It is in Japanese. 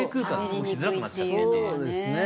そうですね。